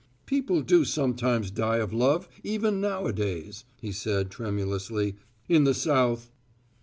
"People do sometimes die of love, even nowadays," he said, tremulously "in the South."